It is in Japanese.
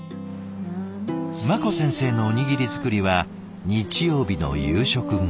茉子先生のおにぎり作りは日曜日の夕食後。